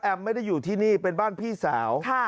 ไม่ได้อยู่ที่นี่เป็นบ้านพี่สาว